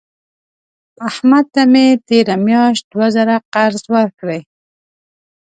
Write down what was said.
احمد ته مې تېره میاشت دوه زره قرض ورکړې.